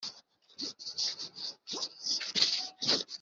Kandi sindi itesha mutwe